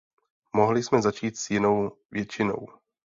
Mohli jsme začít s jinou většinou.